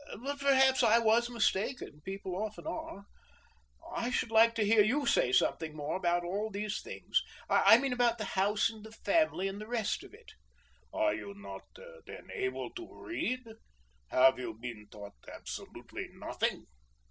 "But perhaps I was mistaken people often are. I should like to hear you say something more about all these things I mean about the house and the family, and the rest of it." "Are you not, then, able to read have you been taught absolutely nothing?"